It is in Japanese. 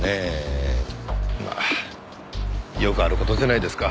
まあよくある事じゃないですか。